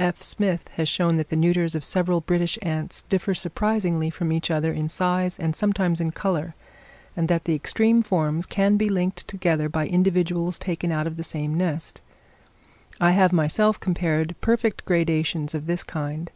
F. Smith has shown that the neuters of several British ants differ surprisingly from each other in size and sometimes in colour; and that the extreme forms can be linked together by individuals taken out of the same nest: I have myself compared perfect gradations of this kind.